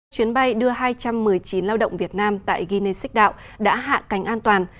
chuyến bay đưa hai trăm một mươi chín lao động việt nam tại guinea six đạo đã hạ cánh an toàn